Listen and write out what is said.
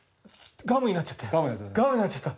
ガムになっちゃった。